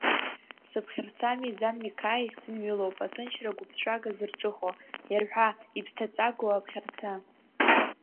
СыԤхьарца Мизан Миқаиа ихьӡынҩылоуп аҭынчра гәыԥҵәага зырҿыхо, иарҳәа, иԥсҭаҵагоу аԥхьарца.